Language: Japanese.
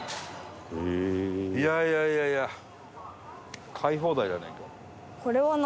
いやいやいやいや買い放題だね。